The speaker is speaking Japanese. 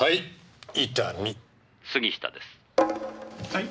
はい。